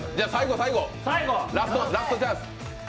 最後、ラストチャンス。